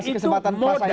itu kriteria dari leadership